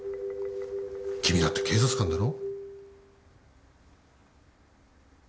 君だって警察官だろ？